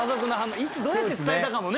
いつどうやって伝えたかもね。